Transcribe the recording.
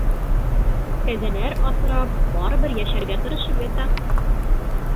Кәзәләр аҫрап барыбер йәшәргә тырышып ята.